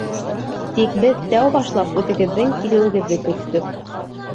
Тик беҙ тәү башлап үҙегеҙҙең килеүегеҙҙе көттөк.